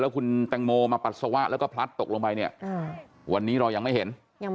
แล้วก็เงินแตงโมมาปัสสวะแล้วก็พลัดตกลงไปวันนี้เรายังไม่เห็น